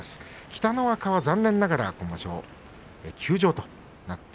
北の若は残念ながら今場所、休場です。